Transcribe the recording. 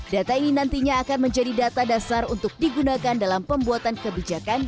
data ini nantinya akan menjadi data dasar untuk digunakan dalam pembuatan kebijakan